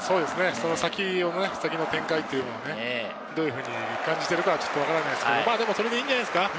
その先の展開をどういうふうに感じているかは分からないですけど、それでいいんじゃないですか。